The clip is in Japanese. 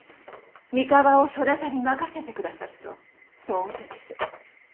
三河をそなたに任せてくださるとそう仰せです。